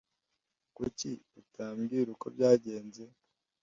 Kuki utambwira uko byagenze?